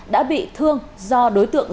đã bị thương do đối tượng